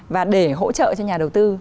và để hỗ trợ cho nhà đầu tư